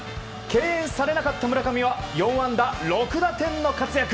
敬遠されなかった村上は４安打６打点の活躍。